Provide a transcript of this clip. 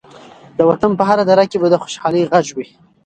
د وطن په هره دره کې به د خوشحالۍ غږ وي.